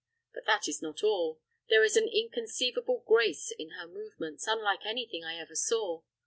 But that is not all. There is an inconceivable grace in her movements, unlike any thing I ever saw.